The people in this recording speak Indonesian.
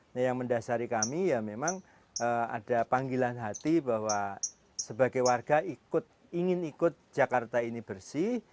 nah yang mendasari kami ya memang ada panggilan hati bahwa sebagai warga ingin ikut jakarta ini bersih